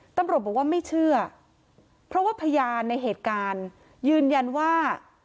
ตำรวจบอกว่าไม่เชื่อเพราะว่าพยานในเหตุการณ์ยืนยันว่า